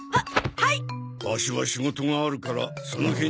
はい！